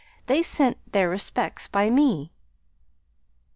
They sent their respects by me."